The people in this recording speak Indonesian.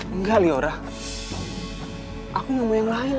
enggak liora aku gak mau yang lain